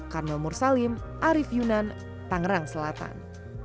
karmel mursalim arief yunan tangerang selatan